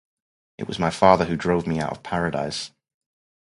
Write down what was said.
It was my father who drove me out of paradise.